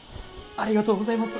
ありがとうございます！